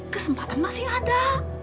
kesempatan masih ada